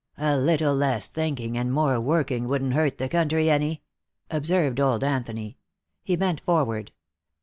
"A little less thinking and more working wouldn't hurt the country any," observed old Anthony. He bent forward.